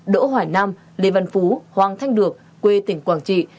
đỗ hoài nam lê văn phú hoàng thanh được quê tỉnh quảng trị